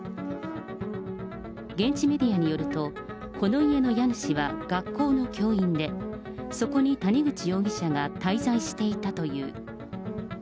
現地メディアによると、この家の家主は学校の教員で、そこに谷口容疑者が滞在していたという。